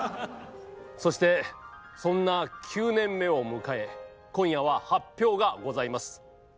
そしてそんな９年目を迎え今夜は発表がございます。